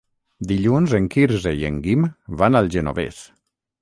Dilluns en Quirze i en Guim van al Genovés.